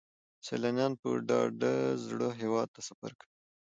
سیلانیان په ډاډه زړه هیواد ته سفر کوي.